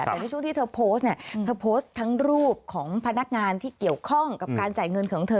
แต่ในช่วงที่เธอโพสต์เนี่ยเธอโพสต์ทั้งรูปของพนักงานที่เกี่ยวข้องกับการจ่ายเงินของเธอ